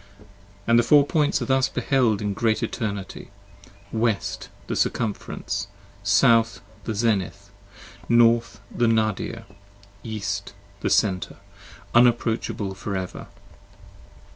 And the Four Points are thus beheld in Great Eternity: 55 West, the Circumference: South, the Zenith: North, The Nadir: East, the Center, unapproachable for ever.